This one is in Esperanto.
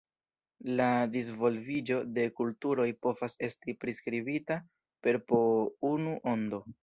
La disvolviĝo de kulturoj povas esti priskribita per po unu ondo.